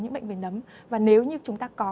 những bệnh về nấm và nếu như chúng ta có